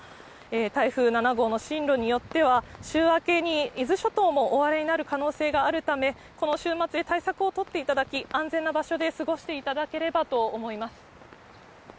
台風７号の進路によっては、週明けに伊豆諸島も大荒れになる可能性があるため、この週末で対策を取っていただき、安全な場所で過ごしていただければと思います。